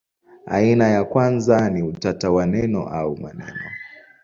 Aina ya kwanza ni utata wa neno au maneno.